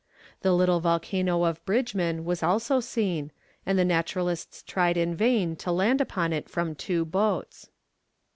The little volcano of Bridgeman was also seen, and the naturalists tried in vain to land upon it from two boats.